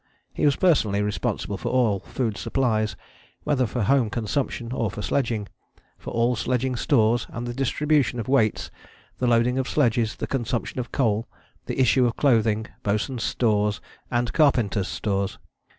He was personally responsible for all food supplies, whether for home consumption or for sledging, for all sledging stores and the distribution of weights, the loading of sledges, the consumption of coal, the issue of clothing, bosun's stores, and carpenter's stores.